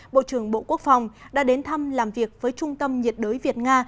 bộ trưởng bộ quốc phòng đã đến thăm làm việc với trung tâm nhiệt đới việt nga